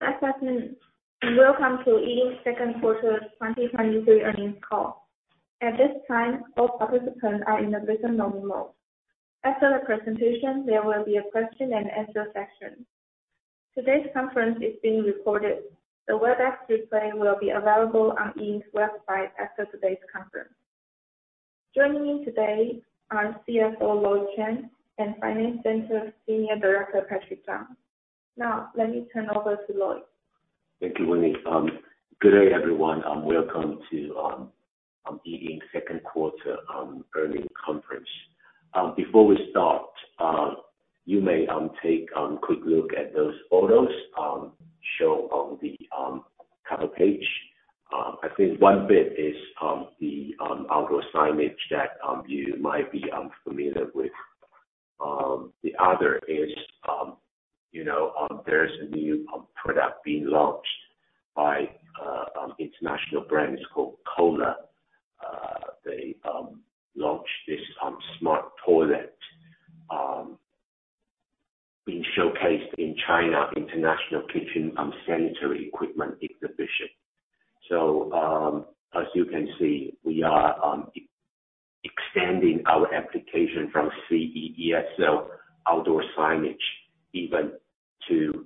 Good afternoon. Welcome to E Ink's second quarter 2023 earnings call. At this time, all participants are in the listen-only mode. After the presentation, there will be a question and answer session. Today's conference is being recorded. The webcast replay will be available on E Ink's website after today's conference. Joining me today are CFO Lloyd Chen and Finance Center Senior Director Patrick Chang. Now, let me turn over to Lloyd. Thank you, Winnie. Good day, everyone, and welcome to E Ink's second quarter earning conference. Before we start, you may take a quick look at those photos shown on the cover page. I think one bit is the outdoor signage that you might be familiar with. The other is, you know, there's a new product being launched by international brands called Kohler. They launched this smart toilet being showcased in China International Kitchen and Sanitary Equipment Exhibition. As you can see, we are e-extending our application from CES, so outdoor signage, even to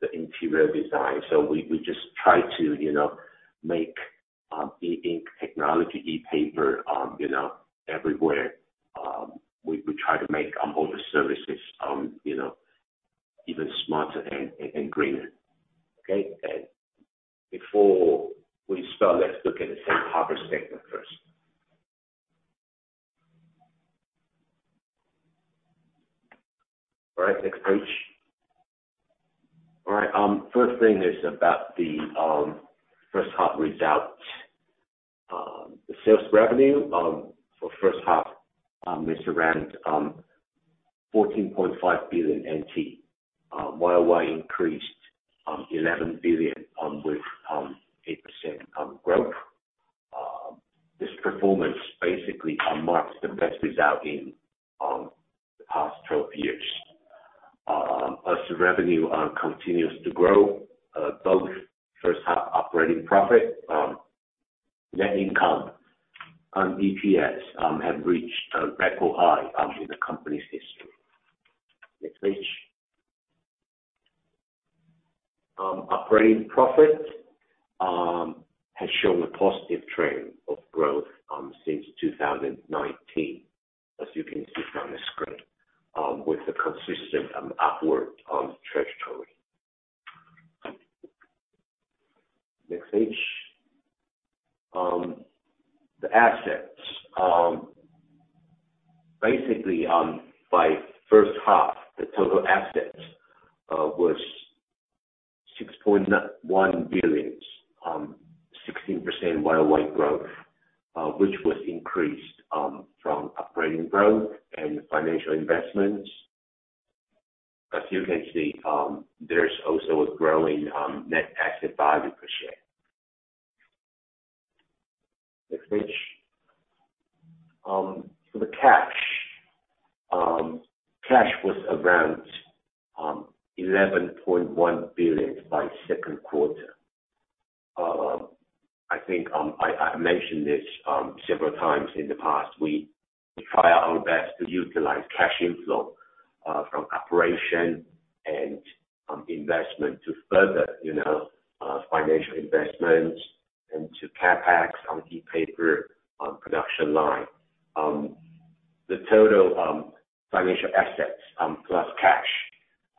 the interior design. We, we just try to, you know, make E Ink technology, ePaper, you know, everywhere. We, we try to make all the services, you know, even smarter and, and, and greener. Okay? Before we start, let's look at the first half statement first. All right, next page. All right, first thing is about the first half results. The sales revenue for first half is around 14.5 billion NT, YoY increased 11 billion, with 8% growth. This performance basically marks the best result in the past 12 years. As the revenue continues to grow, both first half operating profit, net income, and EPS have reached a record high in the company's history. Next page. Operating profit has shown a positive trend of growth since 2019, as you can see from the screen, with a consistent upward trajectory. Next page. The assets. Basically, by first half, the total assets was 6.1 billion, 16% YOY growth, which was increased from operating growth and financial investments. As you can see, there's also a growing net asset value per share. Next page. For the cash. Cash was around $11.1 billion by second quarter. I think I mentioned this several times in the past. We try our best to utilize cash inflow from operation and investment to further, you know, financial investments and to CapEx on the ePaper production line. The total financial assets plus cash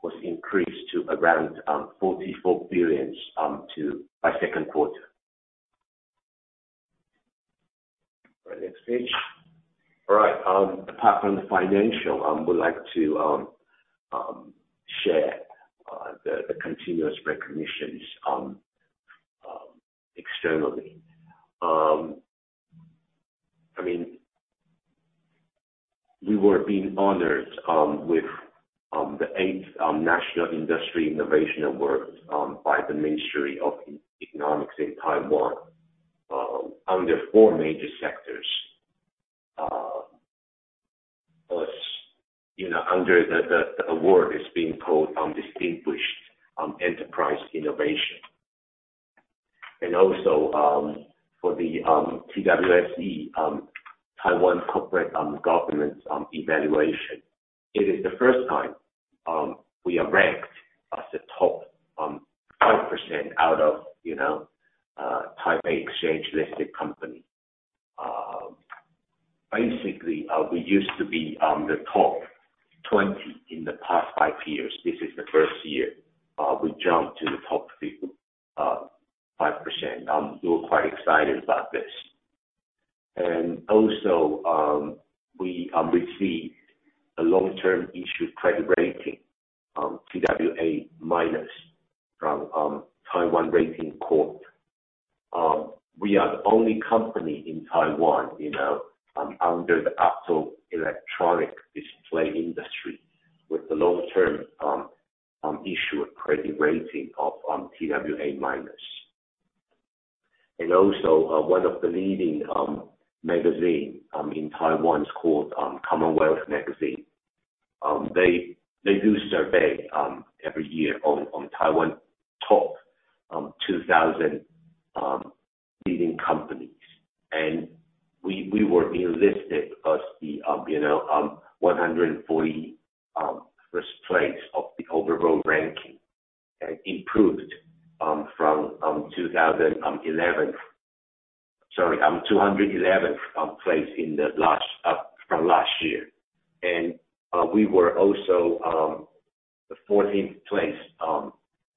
was increased to around 44 billion by second quarter. All right, next page. Apart from the financial, we'd like to share the continuous recognitions externally. I mean, we were being honored with the 8th National Industrial Innovation Award by the Ministry of Economic Affairs in Taiwan under four major sectors. As you know, the award is being called Distinguished Enterprise Innovation. For the TWSE Corporate Governance Evaluation, it is the 1st time we are ranked as the top 5% out of, you know, Taipei Exchange-listed company. Basically, we used to be the top 20 in the past five years. This is the first year, we jumped to the top, 5%. We were quite excited about this. We received a long-term issue credit rating, twA- from Taiwan Ratings Corp.. We are the only company in Taiwan, you know, under the active electronic display industry with the long term issue credit rating of twA-. One of the leading magazine in Taiwan is called CommonWealth Magazine. They, they do survey every year on, on Taiwan top 2,000 leading companies. We, we were enlisted as the, you know, 141st place of the overall ranking, and improved from 2011. Sorry, 211th place in the last from last year. We were also the 14th place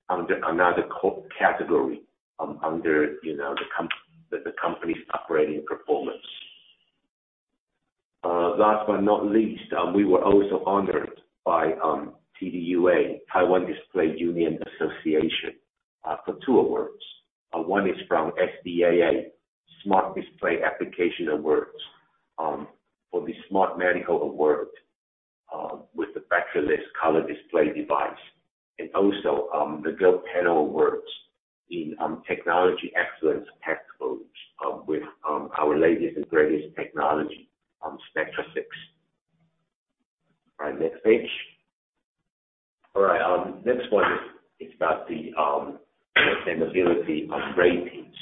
under another category, under, you know, the company's operating performance. Last but not least, we were also honored by TDUA, Taiwan Display Union Association, for two awards. One is from SDAA, Smart Display Application Awards, for the Smart Medical Award, with the battery-less color display device. Also, the Gold Panel Awards in technology excellence tech solutions, with our latest and greatest technology, Spectra 6. Next page. Next one is about the sustainability ratings.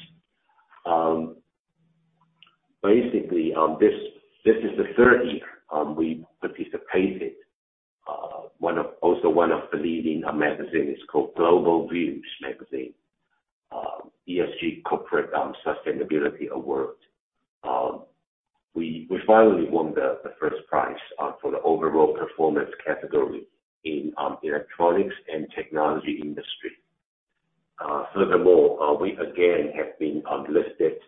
Basically, this is the 3rd year we participated. Also one of the leading magazine is called Global Views Magazine, ESG Corporate Sustainability Award. We, we finally won the first prize for the overall performance category in electronics and technology industry. Furthermore, we again have been listed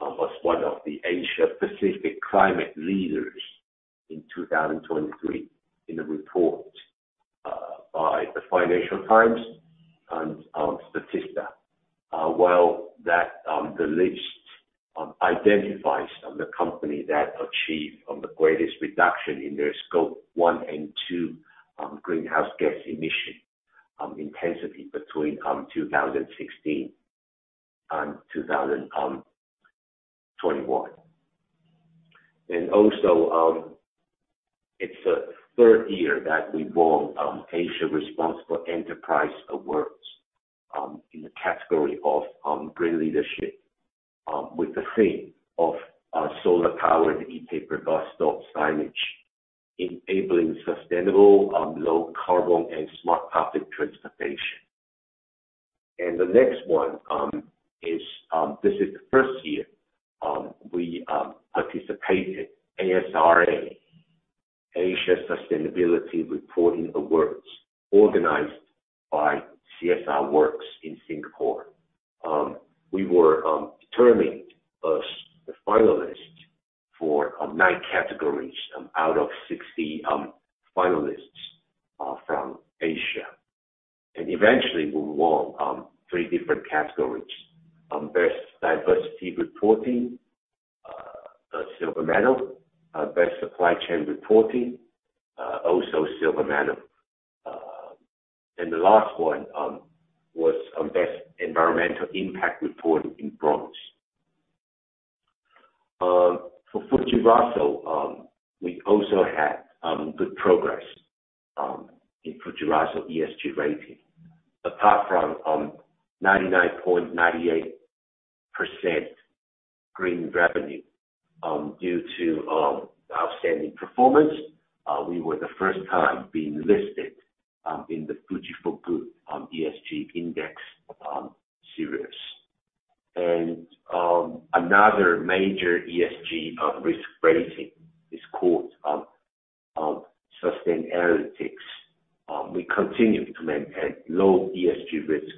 as one of the Asia-Pacific Climate Leaders in 2023, in a report by the Financial Times and Statista. Well, that, the list identifies the company that achieved the greatest reduction in their Scope 1 and 2 greenhouse gas emission intensity between 2016 and 2021. Also, it's the 3rd year that we won Asia Responsible Enterprise Awards in the category of green leadership with the theme of solar-powered ePaper bus stop signage, enabling sustainable, low carbon and smart public transportation. The next one is this is the 1st year we participated ASRA, Asia Sustainability Reporting Awards, organized by CSRWorks in Singapore. We were determined as the finalist for nine categories out of 60 finalists from Asia. Eventually we won three different categories, Best Diversity Reporting, a silver medal, Best Supply Chain Reporting, also silver medal. The last one was Best Environmental Impact Reporting in bronze. For FTSE Russell, we also had good progress in FTSE ESG rating. Apart from 99.98% green revenue, due to outstanding performance, we were the first time being listed in the FTSE4Good ESG Index series. Another major ESG risk rating is called Sustainalytics. We continue to maintain low ESG risk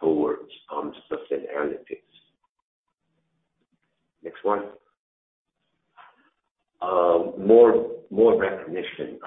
towards Sustainalytics. Next one. More, more recognition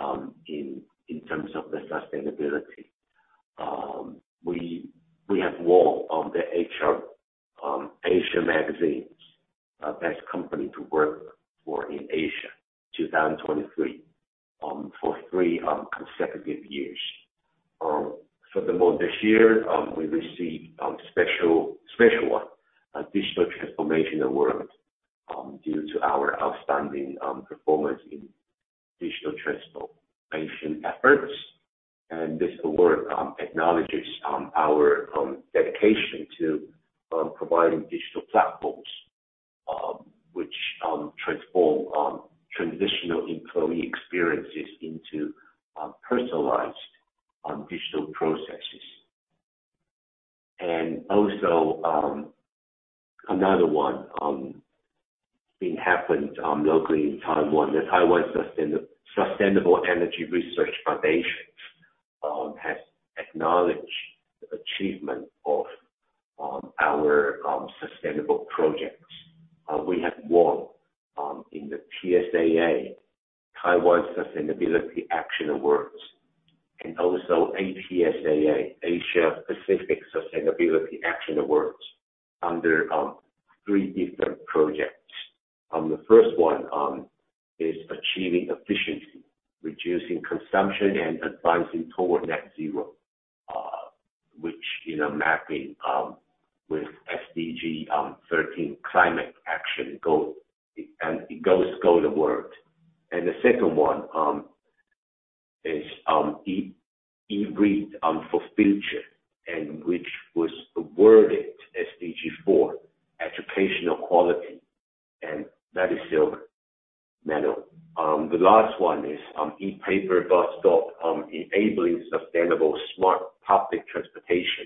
The last one is ePaper bus stop, enabling sustainable smart public transportation,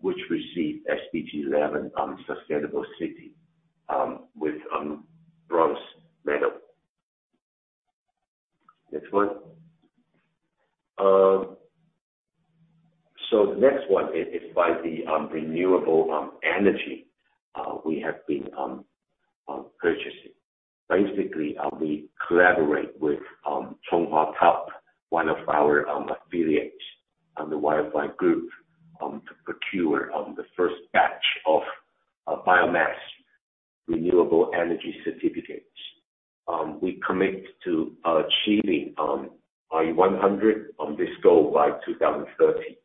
which received SDG 11, sustainable city, with bronze medal. Next one. The next one is, is by the renewable energy we have been purchasing. Basically, we collaborate with Chunghwa Telecom, one of our affiliates, on the YFY group to procure the first batch of biomass renewable energy certificates. We commit to achieving RE100 on this goal by 2030,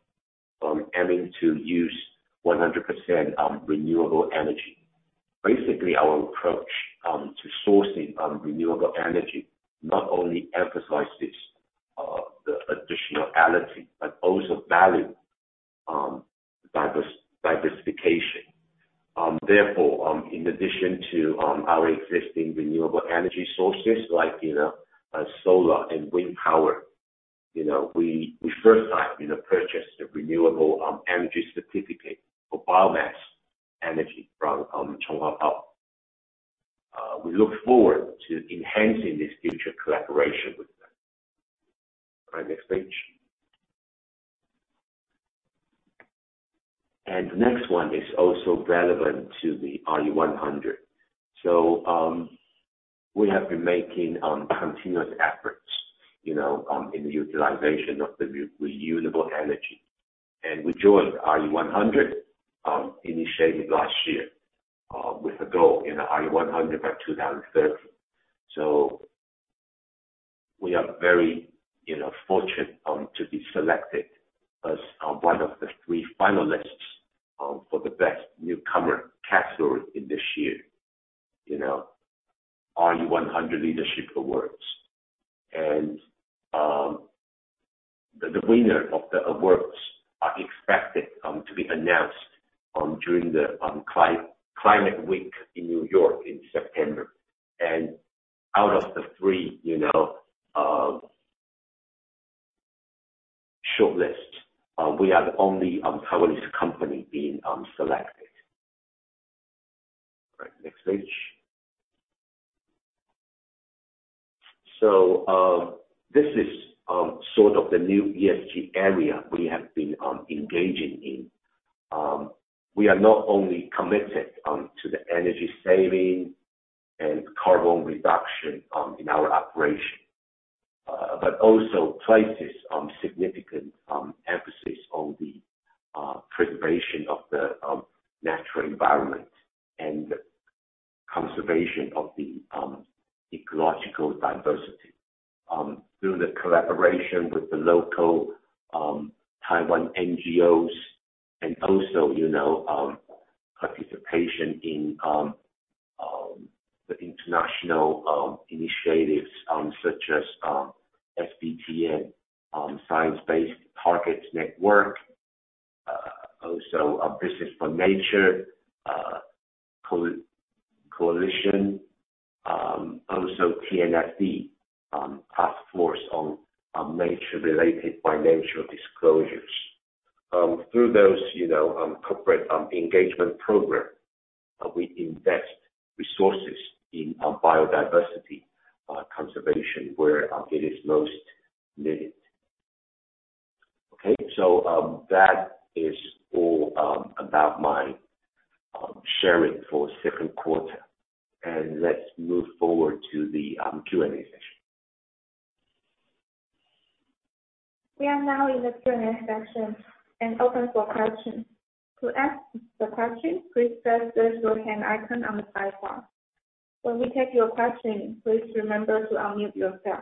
aiming to use 100% renewable energy. Basically, our approach to sourcing renewable energy, not only emphasizes the additionality, but also value diversification. Therefore, in addition to our existing renewable energy sources, like, you know, solar and wind power, you know, we, we first time, you know, purchased a renewable energy certificate for biomass energy from Chunghwa Telecom. We look forward to enhancing this future collaboration with them. All right, next page. The next one is also relevant to the RE100. We have been making continuous efforts, you know, in the utilization of the renewable energy. We joined RE100, initiated last year, with a goal in the RE100 by 2030. We are very, you know, fortunate to be selected as one of the three finalists for the best newcomer category in this year, you know, RE100 Leadership Awards. The winner of the awards are expected to be announced during the climate week in New York in September. Out of the three, you know, shortlists, we are the only Taiwanese company being selected. All right, next page. This is sort of the new ESG area we have been engaging in. We are not only committed to the energy saving and carbon reduction in our operation, but also places significant emphasis on the preservation of the natural environment and conservation of the ecological diversity. Through the collaboration with the local, Taiwan NGOs and also, you know, participation in the international initiatives, such as SBTN, Science Based Targets Network, also a Business for Nature coalition, also TNFD, Taskforce on Nature-related Financial Disclosures. Through those, you know, corporate engagement program, we invest resources in biodiversity conservation where it is most needed. Okay, so that is all about my sharing for second quarter. Let's move forward to the Q&A session. We are now in the Q&A session and open for questions. To ask the question, please press the Raise Your Hand icon on the sidebar. When we take your question, please remember to unmute yourself.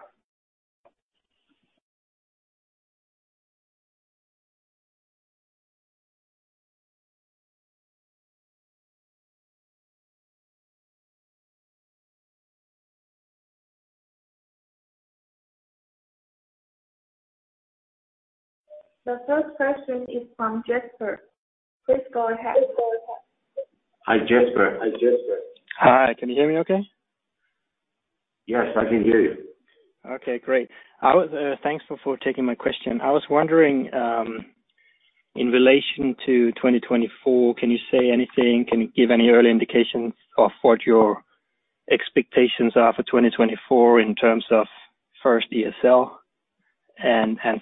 The first question is from Jasper. Please go ahead. Hi, Jasper. Hi, can you hear me okay? Yes, I can hear you. Okay, great. I was, thanks for, for taking my question. I was wondering, in relation to 2024, can you say anything, can you give any early indications of what your expectations are for 2024 in terms of first ESL?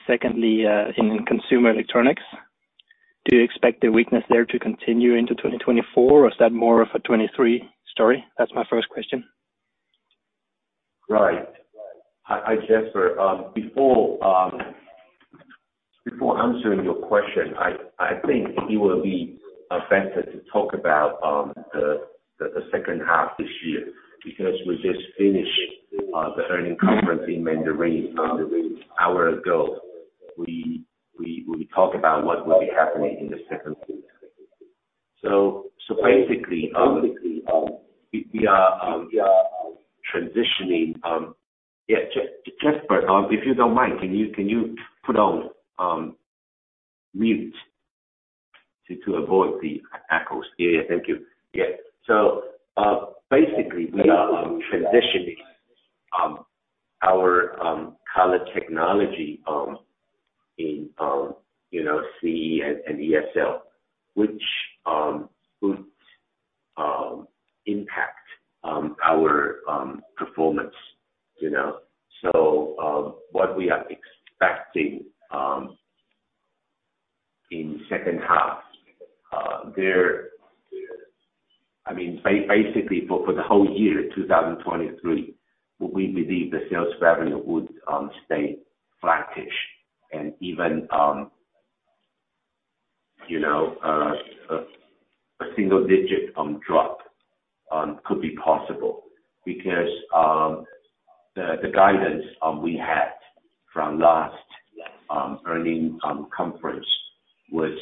Secondly, in consumer electronics, do you expect the weakness there to continue into 2024, or is that more of a 2023 story? That's my first question. Right. Hi, hi, Jasper. Before answering your question, I think it will be better to talk about the second half this year, because we just finished the earning conference in Mandarin an hour ago. We talked about what will be happening in the second quarter. Basically, we are transitioning. Yeah, Jasper, if you don't mind, can you put on mute to avoid the echoes? Yeah, thank you. Yeah. Basically, we are transitioning our color technology in, you know, CE and ESL, which would impact our performance, you know. What we are expecting in second half, there, I mean, basically for, for the whole year, 2023, we believe the sales revenue would stay flattish and even, you know, a single digit drop could be possible. Because, the guidance we had from last earning conference was,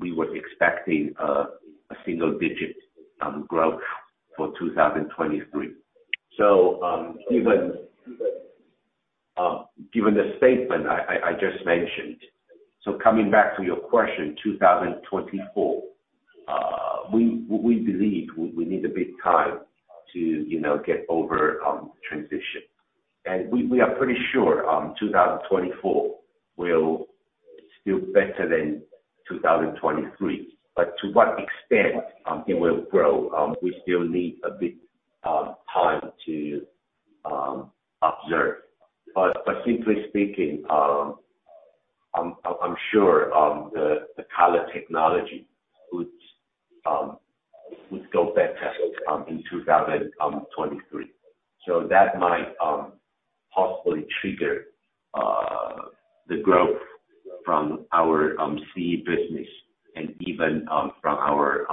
we were expecting a single digit growth for 2023. Even given the statement I, I, I just mentioned, so coming back to your question, 2024, we believe we need a bit time to, you know, get over transition. We, we are pretty sure 2024 will still better than 2023. To what extent it will grow, we still need a bit time to observe. Simply speaking, I'm sure the color technology would go better in 2023. That might possibly trigger the growth from our CE business and even from our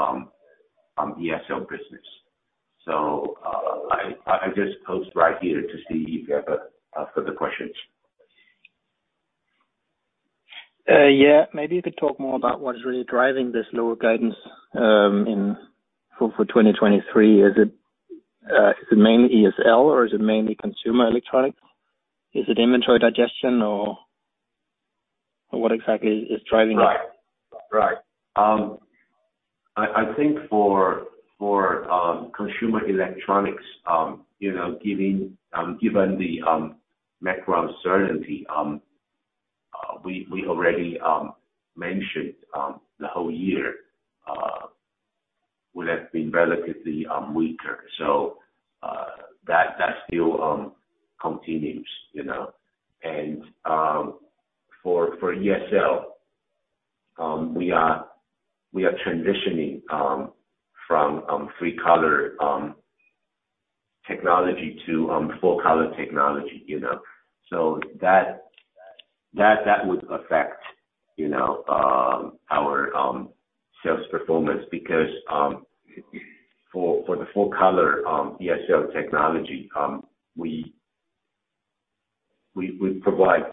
ESL business. I just pause right here to see if you have further questions. Yeah. Maybe you could talk more about what is really driving this lower guidance for 2023. Is it mainly ESL or is it mainly consumer electronics? Is it inventory digestion or, what exactly is, is driving it? Right. Right. I, I think for, for consumer electronics, you know, giving, given the macro uncertainty, we, we already mentioned the whole year would have been relatively weaker. That, that still continues, you know? For ESL, we are, we are transitioning from 3-color technology to 4-color technology, you know. That, that, that would affect, you know, our sales performance, because for, for the full color ESL technology, we, we, we provide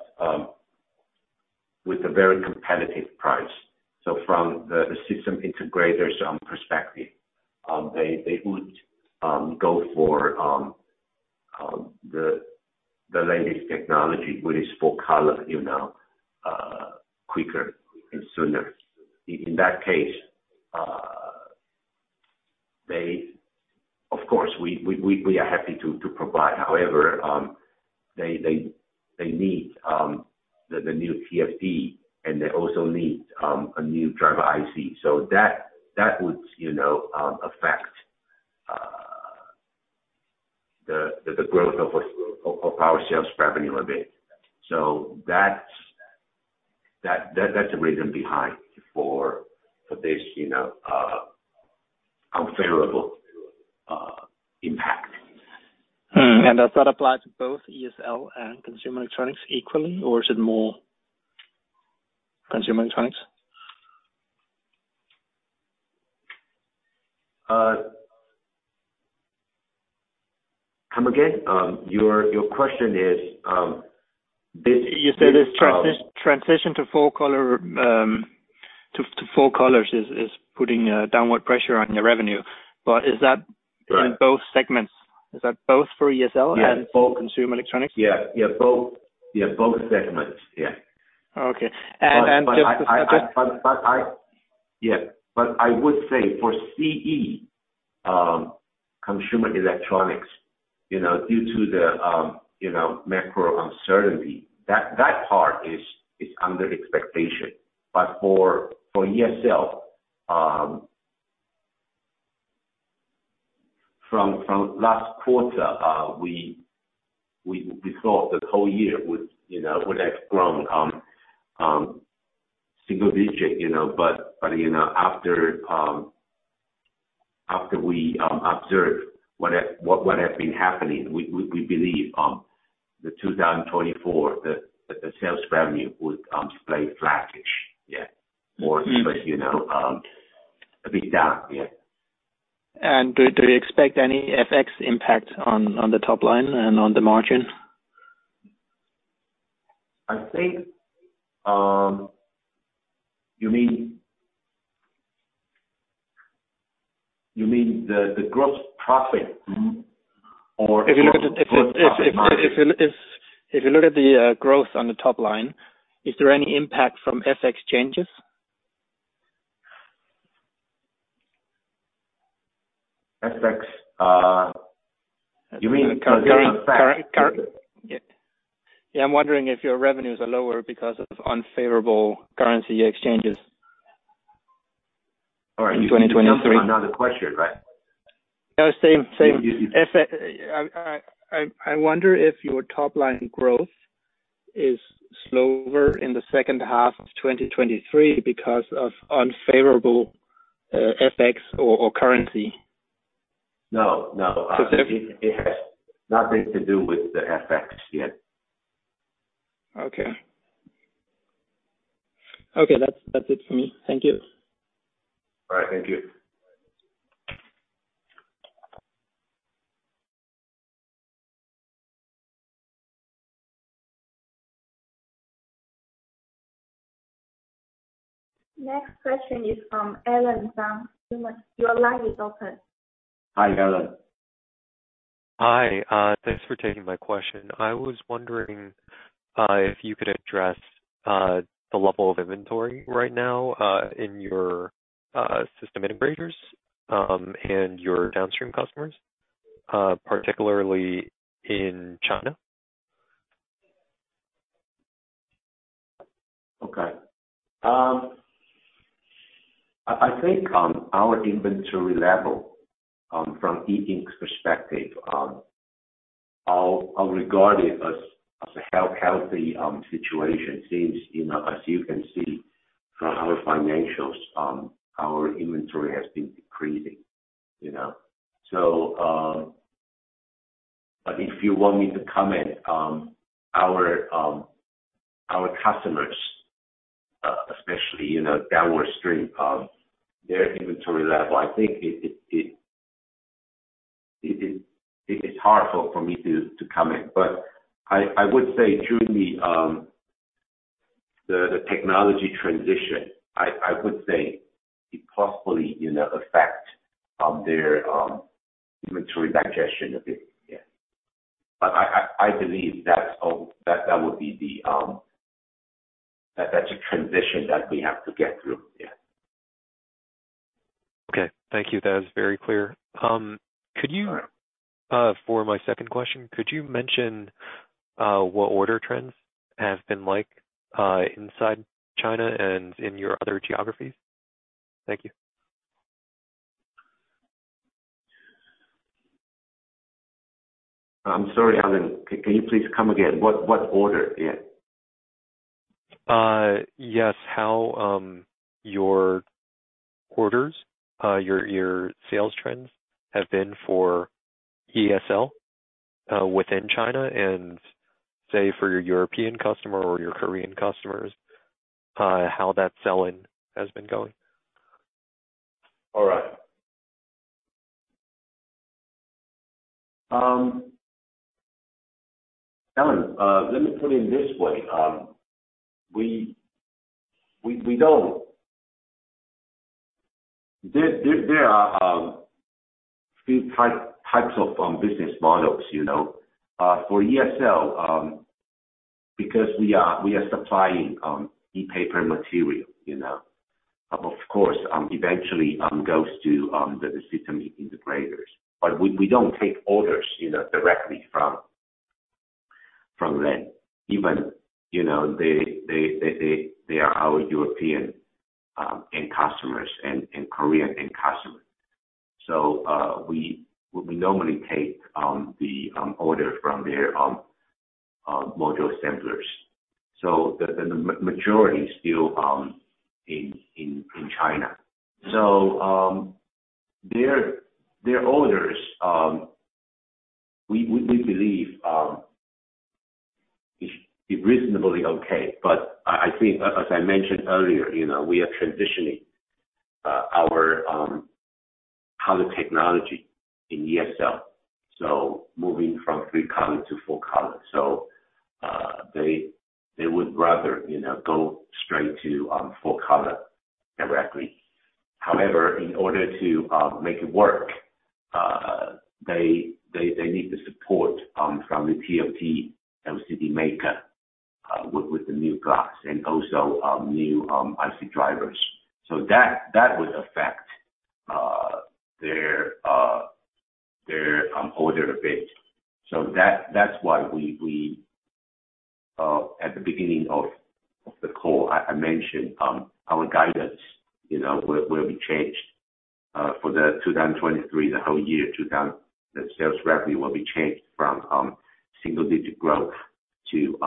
with a very competitive price. From the, the system integrators perspective, they, they would go for the latest technology, which is four-color, you know, quicker and sooner. In, in that case, they of course, we, we, we are happy to, to provide. However, they, they, they need, the, the new TFT, and they also need, a new driver IC. That, that would, you know, affect, the, the growth of, of, of our sales revenue a bit. That's, that, that's the reason behind for, for this, you know, unfavorable, impact. Does that apply to both ESL and consumer electronics equally, or is it more consumer electronics? Come again? Your question is, this. You said this transition to four-color, to, to four-colors is, is putting downward pressure on your revenue. Is that- Right. in both segments? Is that both for ESL- Yeah. And for consumer electronics? Yeah. Yeah, both. Yeah, both segments. Yeah. Okay. I would say for CE, consumer electronics, you know, due to the, you know, macro uncertainty, that, that part is under expectation. For ESL, from last quarter, we thought the whole year would, you know, would have grown single-digit, you know, but, you know, after we observe what has been happening, we believe the 2024 sales revenue would stay flattish. More. Mm. You know, a bit down. Yeah. Do, do you expect any FX impact on, on the top line and on the margin? I think, you mean, you mean the, the gross profit? Mm. Or- If you look at the growth on the top line, is there any impact from FX changes? FX, you mean currency FX? Yeah. Yeah, I'm wondering if your revenues are lower because of unfavorable currency exchanges. All right. In 2023. Another question, right? No, same, same. FX, I, I, I wonder if your top line growth is slower in the second half of 2023 because of unfavorable FX or currency. No, no. So there- It, it has nothing to do with the FX, yeah. Okay. Okay, that's, that's it for me. Thank you. All right, thank you. Next question is from Adam Zhan. Your line is open. Hi, Adam. Hi, thanks for taking my question. I was wondering if you could address the level of inventory right now in your system integrators and your downstream customers, particularly in China? Okay. I, I think our inventory level from E Ink's perspective are regarded as a healthy situation, since, you know, as you can see from our financials, our inventory has been decreasing, you know. But if you want me to comment on our customers, especially, you know, downstream, their inventory level, I think it's hard for me to comment. I, I would say during the technology transition, I, I would say it possibly, you know, affect their inventory digestion a bit. Yeah. I, I, I believe that's all, that, that would be the. That, that's a transition that we have to get through. Yeah. Okay. Thank you. That is very clear. Could you for my second question, could you mention what order trends have been like inside China and in your other geographies? Thank you. I'm sorry, Adam. Can you please come again? What order? Yeah. Yes. How your orders, your sales trends have been for ESL, within China and, say, for your European customer or your Korean customers, how that selling has been going? All right. Adam, let me put it this way. We don't. There are few types of business models, you know. For ESL, because we are supplying ePaper material, you know, of course, eventually goes to the system integrators. We don't take orders, you know, directly from them. Even, you know, they are our European end customers and Korean end customers. We normally take the orders from their module assemblers. The majority still in China. Their orders, we believe, is reasonably okay. I, I think, as I mentioned earlier, you know, we are transitioning our color technology in ESL, so moving from three-color to full color. They would rather, you know, go straight to full color directly. However, in order to make it work, they need the support from the TFT-LCD maker with the new glass and also new IC drivers. That would affect their order a bit. That's why we, at the beginning of the call, I mentioned our guidance, you know, will be changed. For 2023, the sales revenue will be changed from single-digit growth to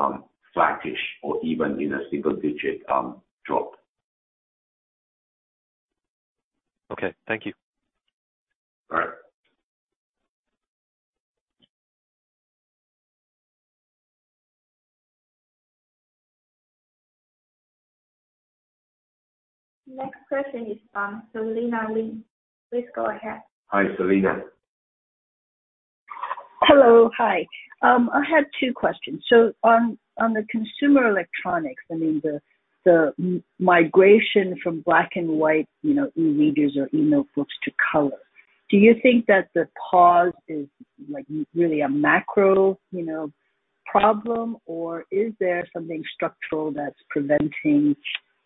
flattish or even in a single-digit drop. Okay. Thank you. All right. Next question is from Selena Li. Please go ahead. Hi, Selena. Hello. Hi. I had two questions. On, on the consumer electronics, I mean, the migration from black and white, you know, e-readers or e-notebooks to color. Do you think that the pause is, like, really a macro, you know, problem, or is there something structural that's preventing,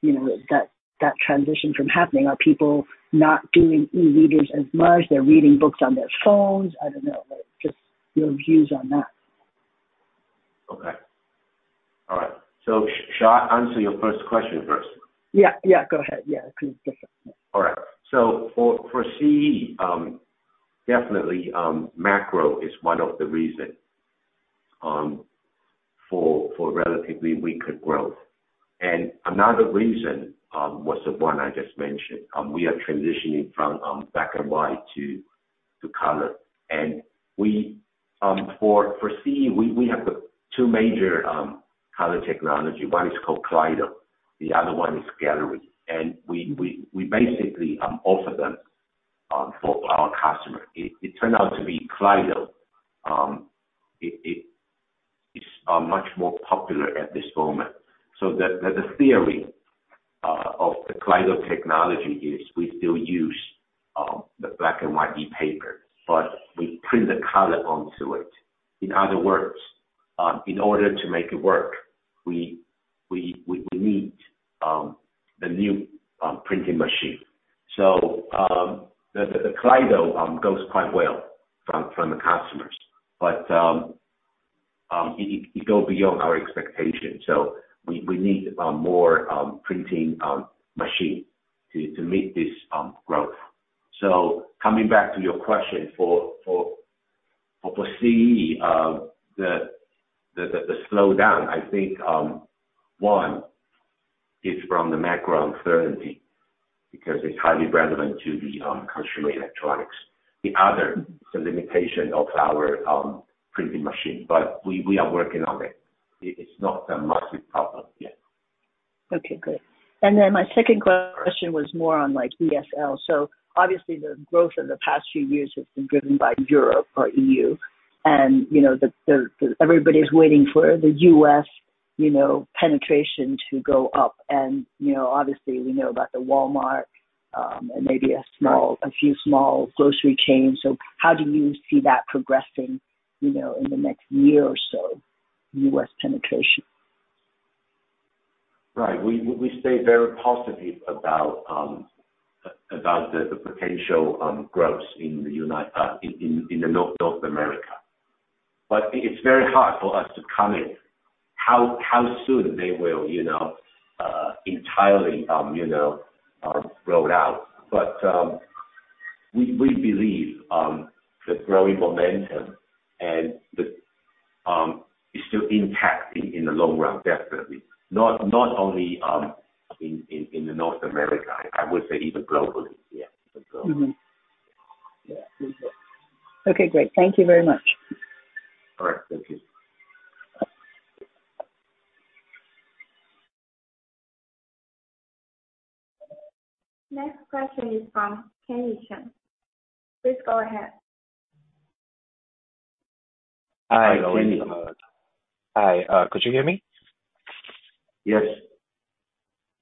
you know, that, that transition from happening? Are people not doing e-readers as much? They're reading books on their phones? I don't know, like, just your views on that. Okay. All right. Shall I answer your first question first? Yeah, yeah, go ahead. Yeah, please, yes. All right. For, for CE, definitely, macro is one of the reason for, for relatively weaker growth. Another reason was the one I just mentioned. We are transitioning from black and white to, to color. We, for, for CE, we, we have the two major color technology. One is called Kaleido, the other one is Gallery. We, we, we basically offer them for our customer. It, it turned out to be Kaleido. It, it, it's much more popular at this moment. The, the, the theory of the Kaleido technology is we still use the black and white ePaper, but we print the color onto it. In other words, in order to make it work, we, we, we need the new printing machine. The, the Kaleido, goes quite well from, from the customers, but, it, it go beyond our expectation. We, we need, more, printing, machine to, to meet this, growth. Coming back to your question for, for, for, for CE, the, the, the, the slowdown, I think, one is from the macro uncertainty, because it's highly relevant to the, consumer electronics. The other, the limitation of our, printing machine, but we, we are working on it. It, it's not a massive problem yet. Okay, good. My second question was more on, like, ESL. Obviously the growth in the past few years has been driven by Europe or EU, and, you know, the, the, everybody's waiting for the U.S., you know, penetration to go up. You know, obviously, we know about the Walmart, and maybe a. Right. - a few small grocery chains. How do you see that progressing, you know, in the next year or so, U.S. penetration? Right. We, we stay very positive about, about the, the potential, growth in the United, in, in, in the North North America. It's very hard for us to comment how, how soon they will, you know, entirely, you know, roll out. We, we believe, the growing momentum and the, is still intact in, in the long run, definitely. Not, not only, in, in, in the North America, I would say even globally. Yeah.- Mm-hmm. Yeah. Okay, great. Thank you very much. All right. Thank you. Next question is from Kenny Chen. Please go ahead. Hi, Kenny. Hi. Could you hear me? Yes.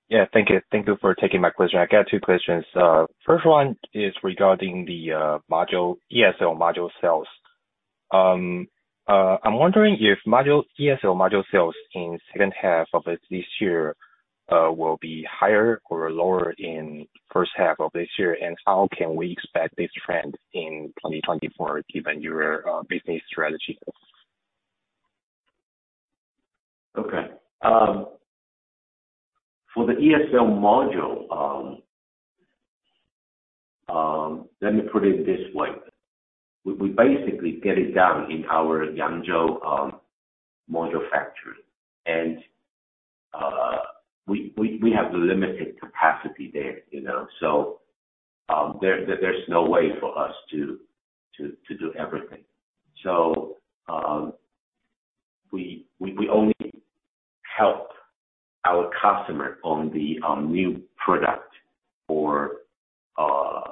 Yeah. Thank you. Thank you for taking my question. I got two questions. First one is regarding the, module, ESL module sales. I'm wondering if module, ESL module sales in 2nd half of this year, will be higher or lower in 1st half of this year, and how can we expect this trend in 2024, given your, business strategies? Okay. For the ESL module, let me put it this way. We, we basically get it done in our Yangzhou module factory, and we, we, we have the limited capacity there, you know. There, there's no way for us to, to, to do everything. We, we, we only help our customer on the new product or, or,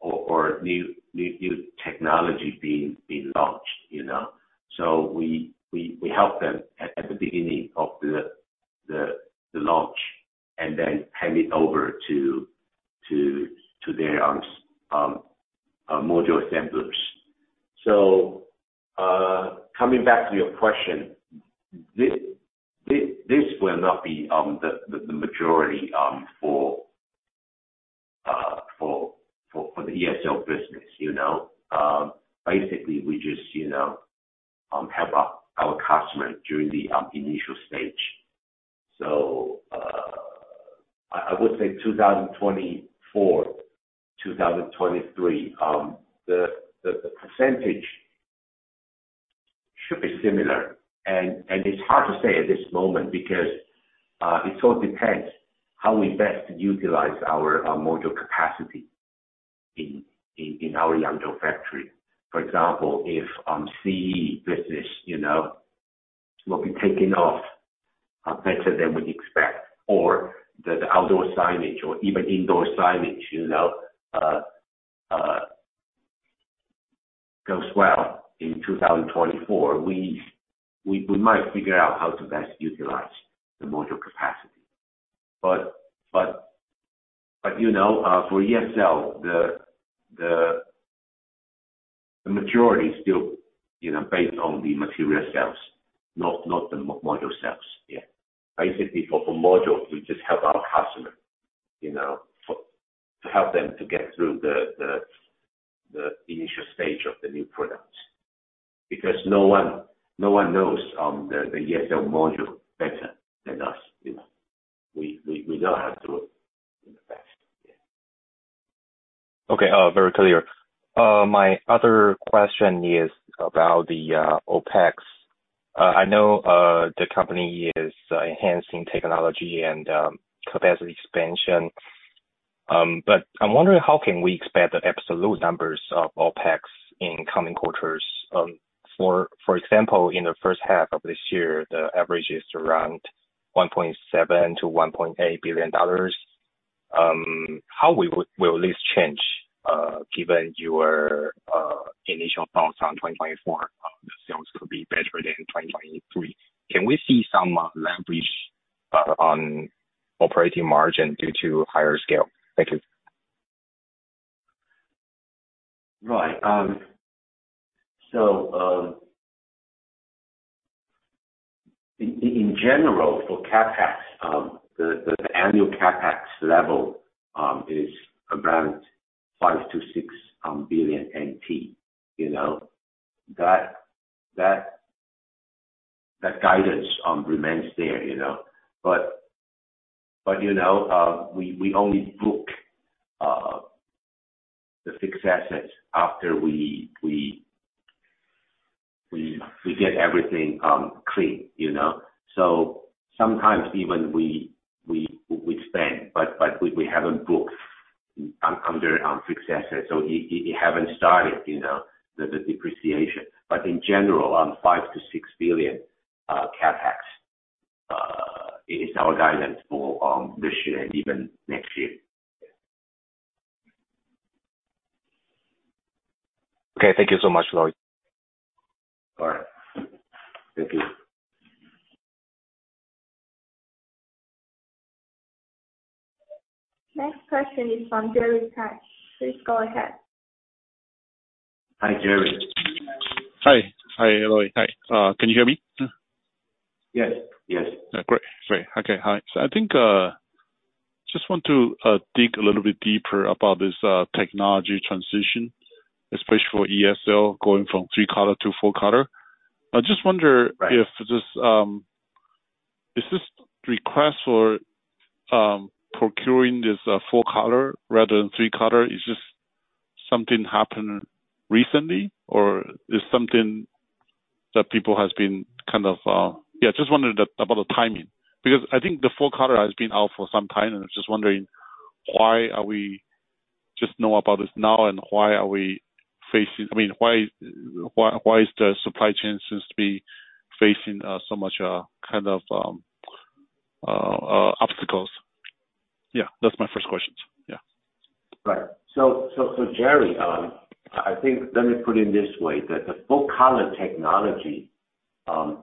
or new, new, new technology being, being launched, you know. We, we, we help them at, at the beginning of the, the, the launch and then hand it over to, to, to their module assemblers. Coming back to your question, this, this, this will not be the majority for the ESL business, you know. Basically, we just, you know, help our, our customer during the initial stage. I, I would say 2024, 2023, the, the, the percentage should be similar. It's hard to say at this moment because it all depends how we best utilize our, our module capacity in, in, in our Yangzhou factory. For example, if CEE business, you know, will be taking off better than we expect, or the, the outdoor signage or even indoor signage, you know, goes well in 2024, we, we, we might figure out how to best utilize the module capacity. But, but, you know, for ESL, the, the, the majority is still, you know, based on the material cells, not, not the mo- module cells. Yeah. Basically, for, for modules, we just help our customer, you know, to help them to get through the, the, the initial stage of the new products. Because no one, no one knows the, the ESL module better than us, you know? We, we, we know how to do it in the best. Yeah. Okay, very clear. My other question is about the OpEx. I know the company is enhancing technology and capacity expansion, I'm wondering how can we expect the absolute numbers of OpEx in coming quarters? For example, in the first half of this year, the average is around $1.7 billion-$1.8 billion. How will this change given your initial thoughts on 2024, the sales could be better than in 2023? Can we see some leverage on operating margin due to higher scale? Thank you. Right. In general for CapEx, the annual CapEx level is around 5 billion-6 billion NT, you know. That guidance remains there, you know. You know, we only book the fixed assets after we get everything clean, you know? Sometimes even we spend, but we haven't booked under fixed assets, so it haven't started, you know, the depreciation. In general, 5 billion-6 billion CapEx is our guidance for this year and even next year. Okay. Thank you so much, Lloyd. All right. Thank you. Next question is from Jerry Pan. Please go ahead. Hi, Jerry. Hi. Hi, Lloyd. Hi. Can you hear me? Yes. Yes. Great. Great. Okay, hi. I think, just want to dig a little bit deeper about this technology transition, especially for ESL going from three-color to four-color. I just wonder... Right. -if this, is this request for procuring this, four-color rather than three-color, is this something happened recently, or is something that people has been kind of? Yeah, just wondering about the timing. I think the four-color has been out for some time, and I was just wondering why are we just know about this now, and I mean, why is the supply chain seems to be facing so much, kind of, obstacles? Yeah, that's my first questions. Right. So, so Jerry, I think let me put it this way, that the four-color technology,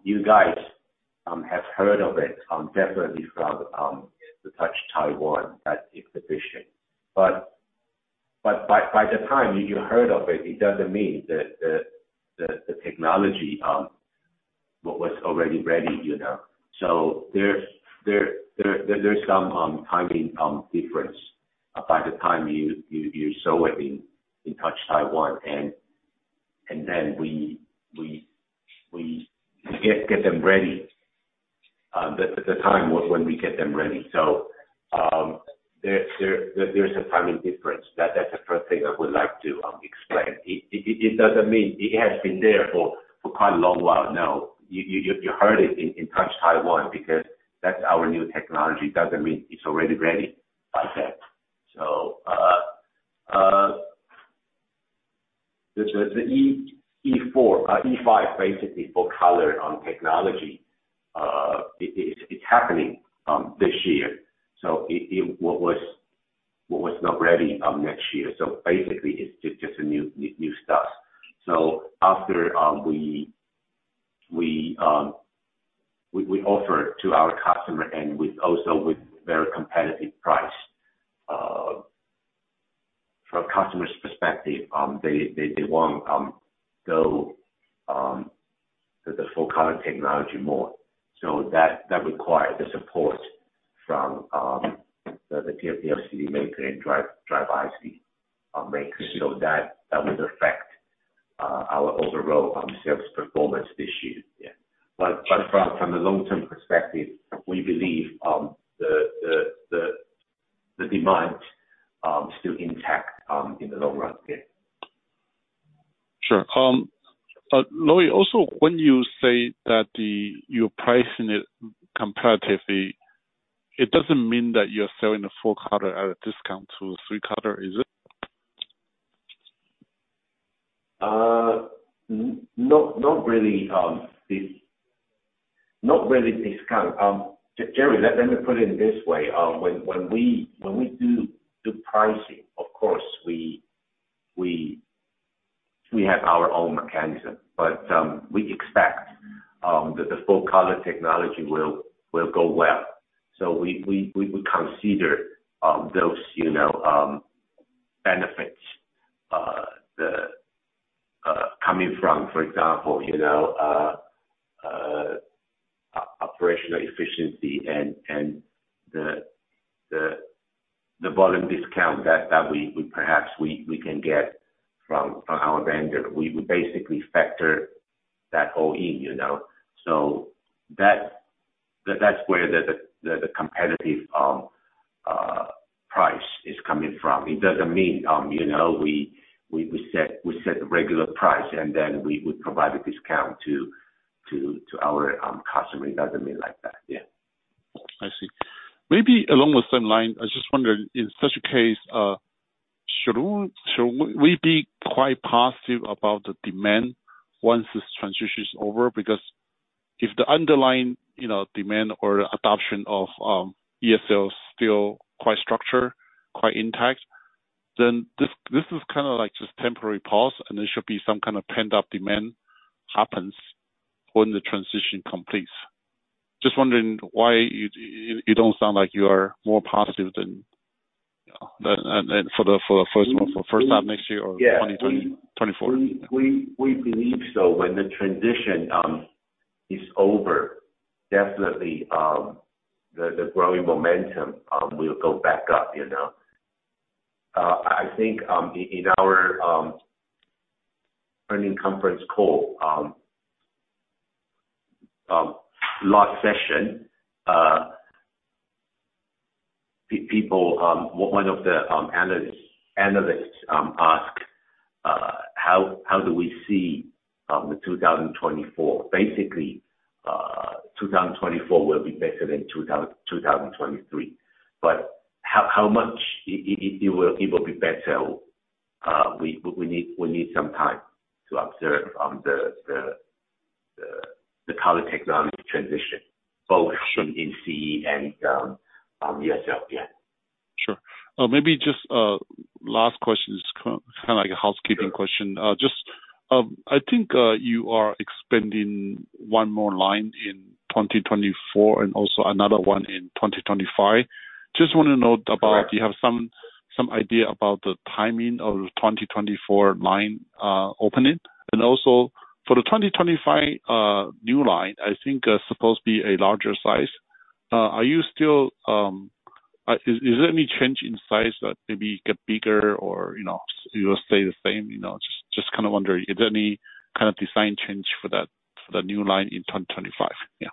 you guys, have heard of it, definitely from, the Touch Taiwan, that exhibition. By, by the time you, you heard of it, it doesn't mean that the, the, the technology, what was already ready, you know. There's, there, there, there's some timing difference by the time you, you, you saw it in, in Touch Taiwan, and, and then we, we, we get, get them ready. At the time when we get them ready. There, there, there's a timing difference. That, that's the first thing I would like to explain. It, it, it doesn't mean it has been there for, for quite a long while now. You heard it in Touch Taiwan because that's our new technology, doesn't mean it's already ready by then. The E4, E5, basically, four-color on technology, it's happening this year. It what was not ready next year. Basically, it's just a new start. After we offer to our customer and with also with very competitive price, from a customer's perspective, they want go to the four-color technology more. That require the support from the TFT-LCD maker and driver IC make so that, that would affect our overall sales performance this year. Yeah. From a long-term perspective, we believe the demand still intact in the long run. Sure. Lloyd, also, when you say that the, you're pricing it comparatively, it doesn't mean that you're selling a four-color at a discount to a three-color, is it? Not, not really, not really discount. Jerry, let me put it this way. When we do the pricing, of course, we have our own mechanism, but we expect that the full color technology will go well. We consider those, you know, benefits coming from, for example, you know, operational efficiency and the volume discount that we perhaps we can get from our vendor. We would basically factor that all in, you know, that's where the competitive price is coming from. It doesn't mean, you know, we set the regular price, and then we would provide a discount to our customer. It doesn't mean like that. Yeah. I see. Maybe along the same line, I was just wondering, in such a case, should we, should we be quite positive about the demand once this transition is over? Because if the underlying, you know, demand or adoption of ESL still quite structured, quite intact, then this, this is kind of like just temporary pause, and there should be some kind of pent-up demand happens when the transition completes. Just wondering why you don't sound like you are more positive than, and for the first of all, for first half next year or 2024? We, we, we believe so when the transition is over, definitely, the growing momentum will go back up, you know. I think in our earnings conference call last session, people, one of the analysts asked how do we see 2024? Basically, 2024 will be better than 2023. How much it will be better? We need some time to observe the color technology transition, both in CE and ESL. Yeah. Sure. maybe just last question is kind of like a housekeeping question. Sure. Just, I think, you are expanding one more line in 2024 and also another one in 2025. Just want to know about... Correct. if you have some, some idea about the timing of the 2024 line, opening? Also for the 2025, new line, I think, supposed to be a larger size. are you still, is, is there any change in size that maybe get bigger or, you know, you'll stay the same? You know, just, just kind of wondering, is there any kind of design change for that, for the new line in 2025? Yeah.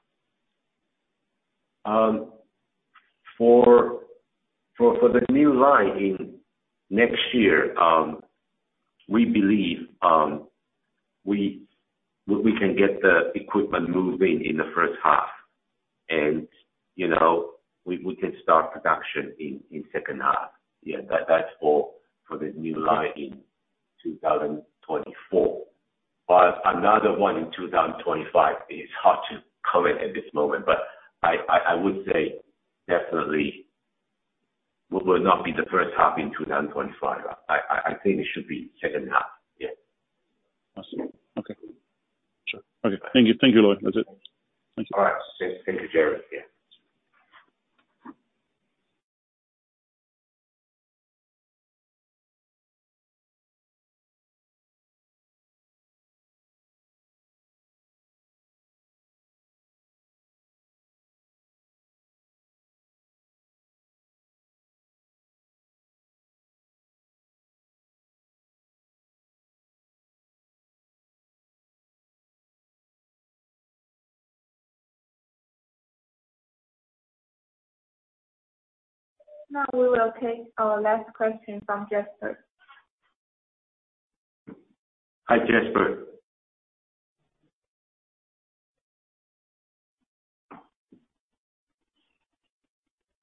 For, for, for the new line in next year, we believe, we, we, we can get the equipment moving in the first half and, you know, we, we can start production in, in second half. Yeah, that's for, for the new line in 2024. Another one in 2025 is hard to comment at this moment, but I, I, I would say definitely will, will not be the first half in 2025. I, I, I think it should be second half. Yeah. I see. Okay. Sure. Okay. Thank you, thank you, Lloyd. That's it. Thank you. All right. Thank you, Jerry. Yeah. Now, we will take our last question from Jasper. Hi, Jasper.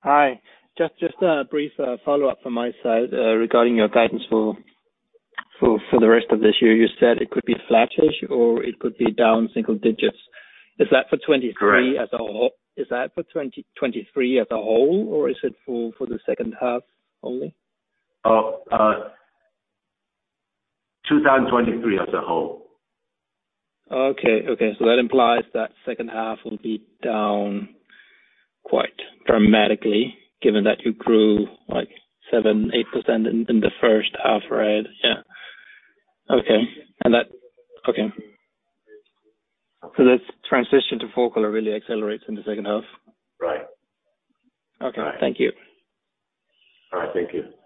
Hi. Just, just a brief follow-up from my side regarding your guidance for, for, for the rest of this year. You said it could be flattish, or it could be down single digits. Is that for 2023 as a whole? Correct. Is that for 2023 as a whole, or is it for, for the second half only? 2023 as a whole. Okay, okay. That implies that second half will be down quite dramatically, given that you grew like 7%, 8% in, in the first half, right? Yeah. Okay. Okay. This transition to four-color really accelerates in the second half? Right. Okay. All right. Thank you. All right. Thank you.